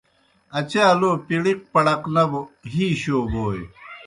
اچا لو پِڑِق پَڑَق نہ بو ہی شو بوئے۔